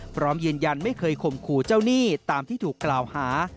พร้อมยืนยันไม่เคยข่มขู่เจ้าหนี้ตามที่ถูกกล่าวหา